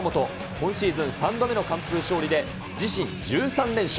今シーズン３度目の完封勝利で、自身１３連勝。